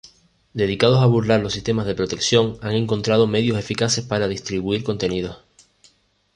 Dedicados a burlar los sistemas de protección, han encontrado medios eficaces para distribuir contenidos.